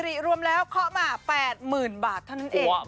สรีรวมแล้วเคาะมาแปดหมื่นบาทท่านเอก